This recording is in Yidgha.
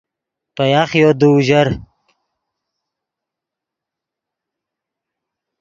پے یاخیو دے اوژر